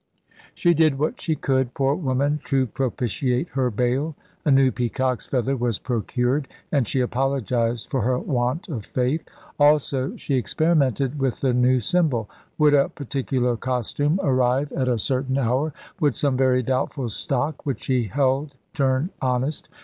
She did what she could, poor woman, to propitiate her Baal. A new peacock's feather was procured, and she apologised for her want of faith. Also she experimented with the new symbol. Would a particular costume arrive at a certain hour? Would some very doubtful stock which she held turn honest?